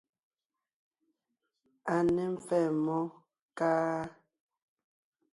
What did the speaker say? A ne mpfɛ́ɛ mmó, káá?